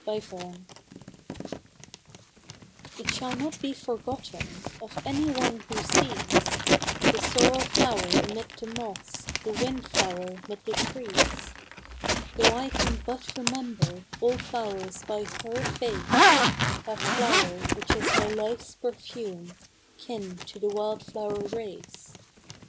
MNEMONICS It shall not be forgotten Of any one who sees, The sorrel flow'r amid the moss, The wind flow'r 'mid the trees. Though I can but remember All flowers by her face, That flow'r, which is my life's perfume, Kin to the wild flow'r race.